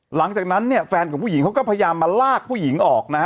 หลังจากนั้นเนี่ยแฟนของผู้หญิงเขาก็พยายามมาลากผู้หญิงออกนะฮะ